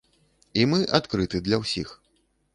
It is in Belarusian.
І мы адкрыты для ўсіх.